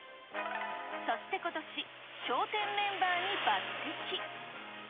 そしてことし、笑点メンバーに抜てき。